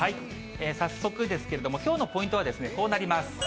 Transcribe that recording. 早速ですけれども、きょうのポイントはこうなります。